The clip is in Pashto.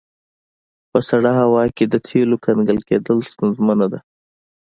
په سړه هوا کې د تیلو کنګل کیدل ستونزه ده